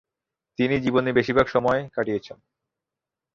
তিনি জীবনের বেশির ভাগ সময় কাটিয়েছেন।